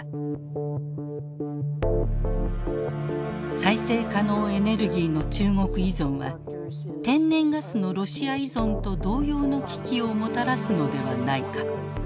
再生可能エネルギーの中国依存は天然ガスのロシア依存と同様の危機をもたらすのではないか。